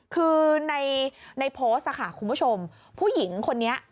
คือในโพสต์ค่ะคุณผู้ชมผู้หญิงคนนี้